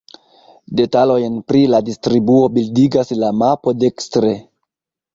Detalojn pri la distribuo bildigas la mapo dekstre.